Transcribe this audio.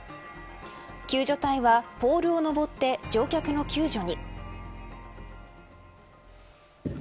救助隊はポールを登って乗客の救助に。